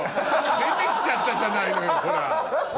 出て来ちゃったじゃないのよほら。